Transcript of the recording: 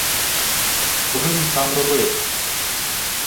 — Що би-м там робив?